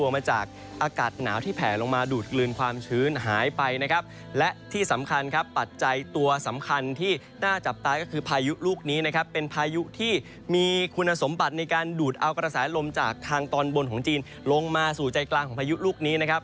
มาสู่ใจกลางของพายุลูกนี้นะครับ